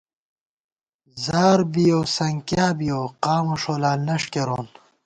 زاربِیَؤ سنکِیابِیَؤ ، قامہ ݭولال نݭ کېرون